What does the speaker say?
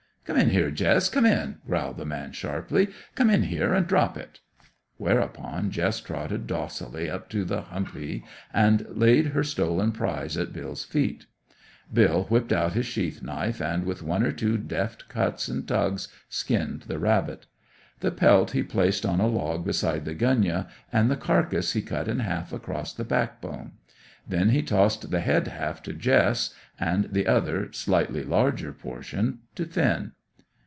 "Come in here, Jess! Come in!" growled the man sharply. "Come in here, an' drop it." Whereupon, Jess trotted docilely up to the humpy, and laid her stolen prize at Bill's feet. Bill whipped out his sheath knife and, with one or two deft cuts and tugs, skinned the rabbit. The pelt he placed on a log beside the gunyah, and the carcase he cut in half across the backbone. Then he tossed the head half to Jess, and the other, and slightly larger portion, to Finn.